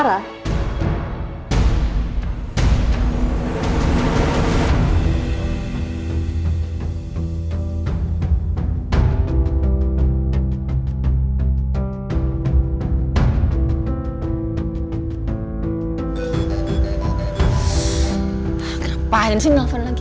kenapa ini sih nelfon lagi